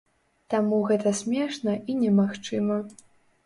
Таму гэта смешна і немагчыма.